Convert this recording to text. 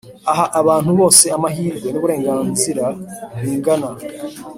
aha abantu bose amahirwe n’uburenganzira bingana